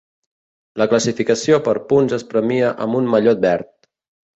La Classificació per punts es premia amb un mallot verd.